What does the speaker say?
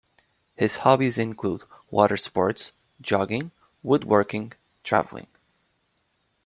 His hobbies include: water sports, jogging, woodworking, traveling.